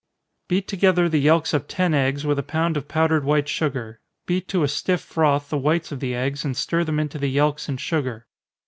_ Beat together the yelks of ten eggs, with a pound of powdered white sugar beat to a stiff froth the whites of the eggs, and stir them into the yelks and sugar.